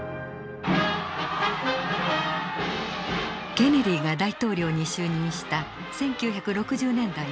ケネディが大統領に就任した１９６０年代初め。